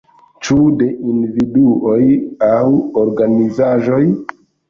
Ĉu de individuoj aŭ organizaĵoj?